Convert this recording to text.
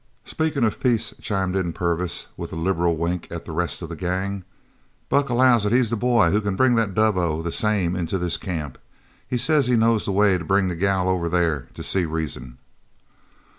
"Speakin' of peace," chimed in Purvis, with a liberal wink at the rest of the gang, "Buck allows he's the boy who c'n bring the dove o' the same into this camp. He says he knows the way to bring the girl over there to see reason."